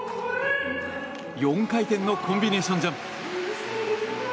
４回転のコンビネーションジャンプ。